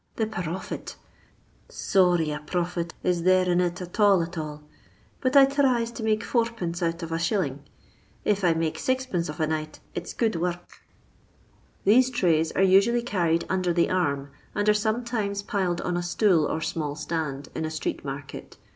The perrofit 1 Sorry a perrofit is there in it at all at all ; but I thries to make id. out of 1«. If I makes ^d. of a night it's good worruk." These trays are usually carried under the arm, and are sometimes piled on a stool or small stanil, in a street market.